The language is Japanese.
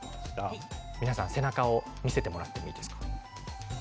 皆さん、背中を見せてもらっていいですか。